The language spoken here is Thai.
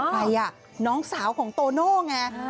ใครอ่ะน้องสาวของโตโน่ไง